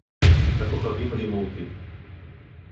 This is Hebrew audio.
הַכּוֹכָבִים רִמּוּ אוֹתִי